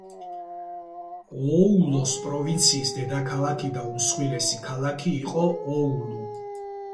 ოულუს პროვინციის დედაქალაქი და უმსხვილესი ქალაქი იყო ოულუ.